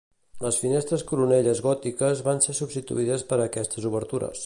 Les finestres coronelles gòtiques van ser substituïdes per aquestes obertures.